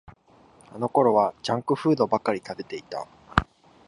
あのころはジャンクフードばかり食べてた